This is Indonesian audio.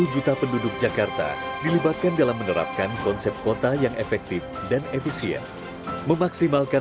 satu juta penduduk jakarta dilibatkan dalam menerapkan konsep kota yang efektif dan efisien memaksimalkan